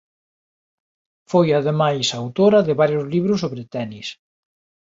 Foi ademais autora de varios libros sobre tenis.